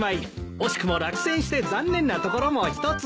おしくも落選して残念なところも一つ。